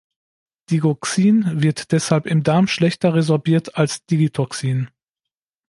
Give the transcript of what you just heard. Digoxin wird deshalb im Darm schlechter resorbiert als Digitoxin.